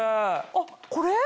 あっこれ？